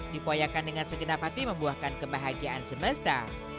dipoyakan dengan segenap hati membuahkan kebahagiaan semesta